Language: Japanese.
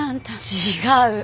違う。